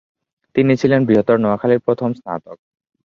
তিনি ছিলেন বৃহত্তর নোয়াখালীর প্রথম স্নাতক।